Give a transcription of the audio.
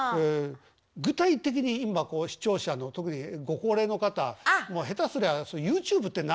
具体的に今こう視聴者の特にご高齢の方下手すりゃ「ＹｏｕＴｕｂｅって何？」